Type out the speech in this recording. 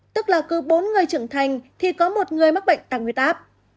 tức là cứ bốn người trưởng thành thì có một người mắc bệnh tăng huyết áp